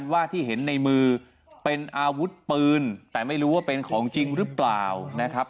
ว่าที่เห็นในมือเป็นอาวุธปืนแต่ไม่รู้ว่าเป็นของจริงหรือเปล่านะครับ